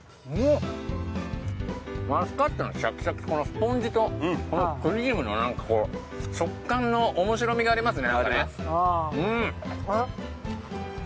マスカットのシャキシャキこのスポンジとクリームのなんか食感のおもしろみがありますね。